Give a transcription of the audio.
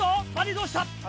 どうした？